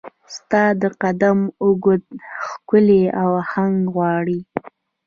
ستا د قدم او ږغ، ښکلې اهنګ غواړي